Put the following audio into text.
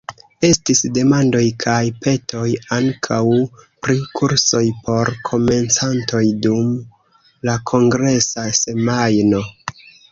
Estis demandoj kaj petoj ankaŭ pri kursoj por komencantoj dum la kongresa semajno.